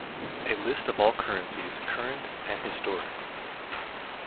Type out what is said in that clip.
A list of all currencies, current and historic.